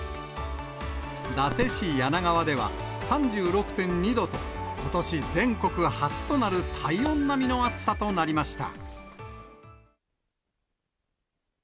伊達市梁川では、３６．２度と、ことし全国初となる体温並みの暑さとなりました。